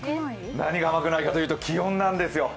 何が甘くないかというと、気温なんですよ。